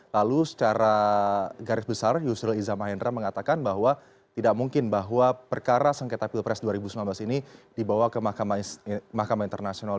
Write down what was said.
lalu secara garis besar yusril iza mahendra mengatakan bahwa tidak mungkin bahwa perkara sengketa pilpres dua ribu sembilan belas ini dibawa ke mahkamah internasional